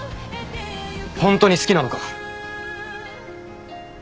ホントに好きなのか？